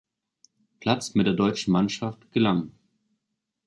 Platz mit der deutschen Mannschaft gelang.